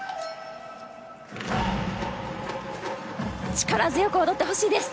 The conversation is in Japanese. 力強く踊ってほしいです。